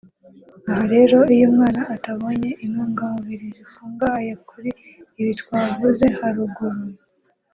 aha rero iyo umwana atabonye intungamubiri zikungahaye kuri ibi twavuze haruguru